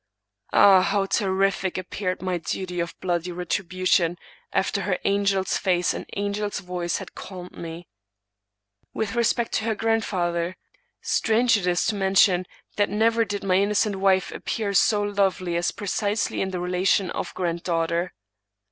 Ah! how terrific appeared my duty of bloody retribution, after her angel's face and angel's voice had calmed me. With respect to her grandfather, strange it is to mention, that never did my innocent wife appear so lovely as precisely in the relation of granddaughter.